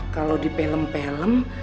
kalau di film film